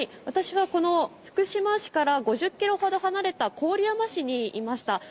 私は福島市から５０キロほど離れた郡山市にいました。